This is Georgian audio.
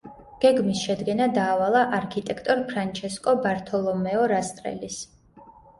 გეგმის შედგენა დაავალა არქიტექტორ ფრანჩესკო ბართოლომეო რასტრელის.